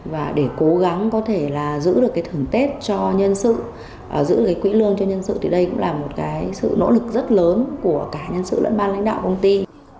và để cố gắng có thể là giữ được cái thưởng tết cho nhân sự giữ cái quỹ lương cho nhân sự thì đây cũng là một cái sự nỗ lực rất lớn của cả nhân sự lẫn ban lãnh đạo công ty